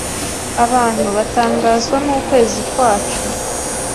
abantu batangazwa n’ukwezi kwacu